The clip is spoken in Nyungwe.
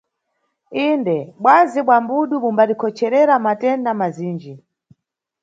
Inde, bwazi bza mbudu bumbatikhocherera matenda mazinji.